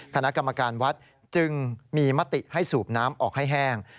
คณะกรรมการวัดจึงมีมติให้สูบน้ำออกให้แห้ง